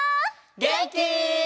げんき？